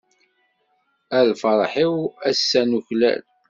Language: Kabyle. A lferḥ-iw ass-a nuklal.